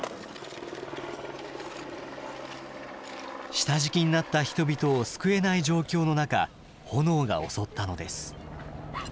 下敷きになった人々を救えない状況の中炎が襲ったのです。